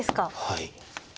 はい。